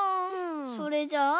それじゃあ。